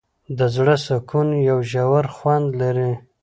د زړه سکون یو ژور خوند لري.